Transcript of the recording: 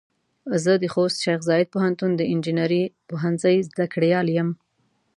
زه د خوست شیخ زايد پوهنتون د انجنیري پوهنځۍ زده کړيال يم.